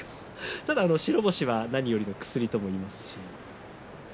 ただ白星は何よりの薬だと思いますし。